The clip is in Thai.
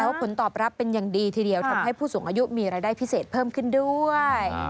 ผลตอบรับเป็นอย่างดีทีเดียวทำให้ผู้สูงอายุมีรายได้พิเศษเพิ่มขึ้นด้วย